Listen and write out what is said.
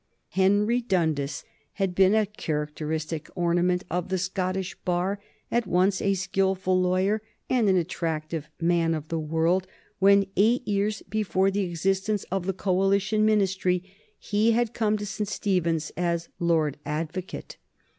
Henry Dundas had been a characteristic ornament of the Scottish bar, at once a skilful lawyer and an attractive man of the world when, eight years before the existence of the Coalition Ministry, he had come to St. Stephen's as Lord Advocate.